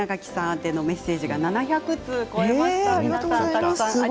メッセージが７００通を超えました。